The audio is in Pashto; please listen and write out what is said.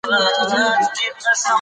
د بریتانیا اداره د کمولو هڅه کوي.